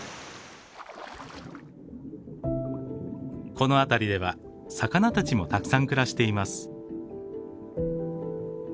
この辺りでは魚たちもたくさん暮らしています。